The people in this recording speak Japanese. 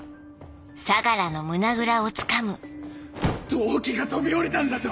同期が飛び降りたんだぞ！